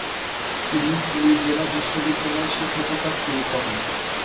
তিনি পুরী জেলা বিদ্যালয়ে শিক্ষকতা শুরু করেন।